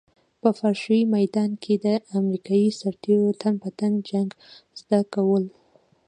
په فرش شوي ميدان کې امريکايي سرتېرو تن په تن جنګ زده کول.